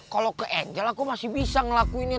kalau ke angel aku masih bisa ngelakuinnya